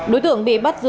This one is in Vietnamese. đối tượng bị bắt giữ